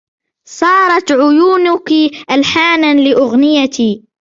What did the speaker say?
صارت عيونُكِ ألحاناً لأغنيتي